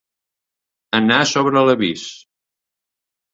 Anar sobre l'avís.